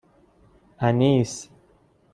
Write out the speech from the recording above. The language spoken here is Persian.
اَنیس